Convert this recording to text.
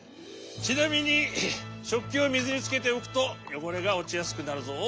ちなみにしょっきをみずにつけておくとよごれがおちやすくなるぞ。